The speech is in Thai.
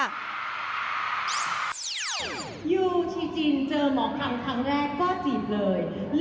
ยูชีจินเจอหมอคำครั้งแรกก็จีบเลย